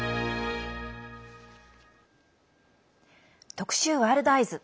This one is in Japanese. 特集「ワールドＥＹＥＳ」。